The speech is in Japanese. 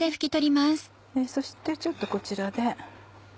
そしてちょっとこちらで。